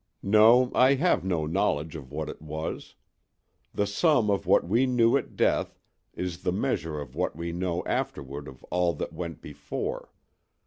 No, I have no knowledge of what it was. The sum of what we knew at death is the measure of what we know afterward of all that went before.